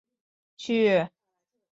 半个月就不去了